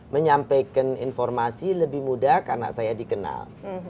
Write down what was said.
menyampaikan informasi lebih mudah karena saya dikenal